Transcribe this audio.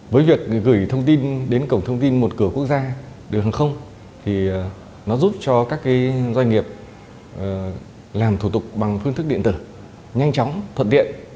với việc gửi thông tin đến cổng thông tin một cửa quốc gia đường hàng không thì nó giúp cho các doanh nghiệp làm thủ tục bằng phương thức điện tử nhanh chóng thuận tiện